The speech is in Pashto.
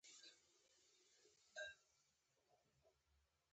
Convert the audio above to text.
نن زموږ په سيمه کې دوړې او هوا چليږي.